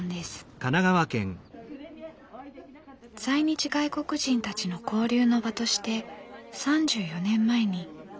在日外国人たちの交流の場として３４年前に市が作りました。